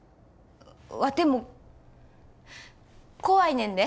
ワテも怖いねんで。